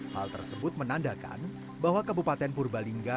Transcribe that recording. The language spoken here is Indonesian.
hal tersebut menandakan bahwa kabupaten purbalingga